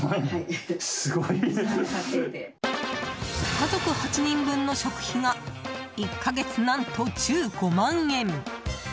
家族８人分の食費が１か月、何と１５万円。